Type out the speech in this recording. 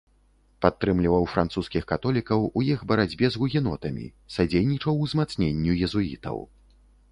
Падтрымліваў французскіх католікаў у іх барацьбе з гугенотамі, садзейнічаў узмацненню езуітаў.